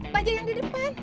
panjang yang di depan